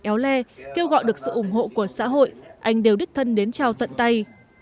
éo le kêu gọi được sự ủng hộ của xã hội anh đều đích thân đến trao tận tay